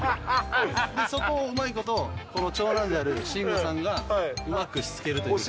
そこをうまいこと、この長男である慎吾さんがうまくしつけるというか。